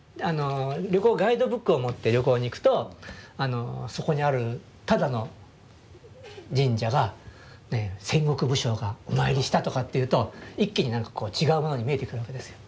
ガイドブックを持って旅行に行くとそこにあるただの神社が戦国武将がお参りしたとかっていうと一気に何かこう違うものに見えてくるわけですよ。